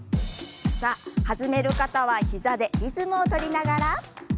さあ、弾める方は膝でリズムを取りながら。